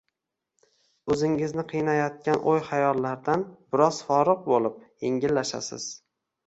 o‘zingizni qiynayotgan o‘y-xayollardan biroz forig‘ bo‘lib, yengillashasiz.